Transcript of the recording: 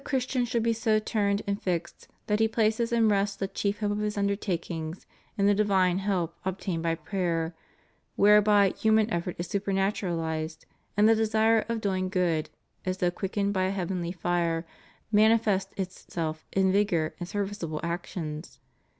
Christian should be so turned and fixed that he place* and rests the chief hope of his undertakings in the divine help obtained by prayer, whereby human effort is super naturalized and the desire of doing good, as though quick ened by a heavenly fire, manifests itself in vigorous and serviceable actions.